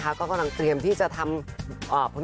การเดินทางปลอดภัยทุกครั้งในฝั่งสิทธิ์ที่หนูนะคะ